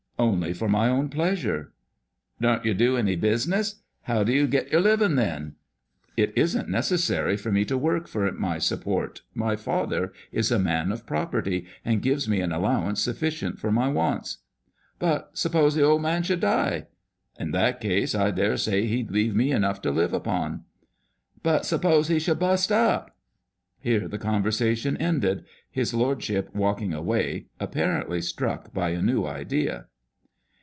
"Only for my own pleasure." " Don't yer do any bisuness ? How do you get yer livin', then ?"" It isn't necessary for me to work for my support. My father is a man of property, and gives me an allowance sufficient for my wants." " But s'pose the old man should die ?" "In that case, I dare say he'd leave me enough to live upon." " But s'pose he shorild bust vp ?" Here the conversation ended : his lordship walking away, apparently struck by a new idea.